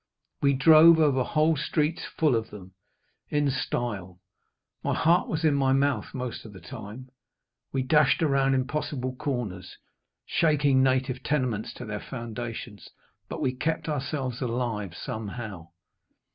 We drove over whole streets full of them, in style. My heart was in my mouth most of the time. We dashed round impossible corners, shaking native tenements to their foundations. But we kept ourselves alive somehow.